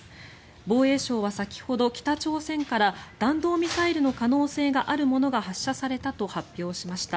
防衛省は先ほど北朝鮮から弾道ミサイルの可能性があるものが発射されたと発表しました。